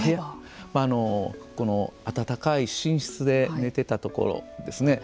暖かい寝室で寝てたところですね